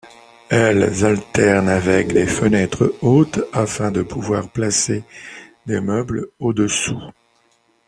Elles alternent avec des fenêtres hautes afin de pouvoir placer des meubles au-dessous.